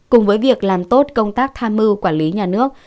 cùng với việc làm tốt công tác tham mưu quản lý nhà nước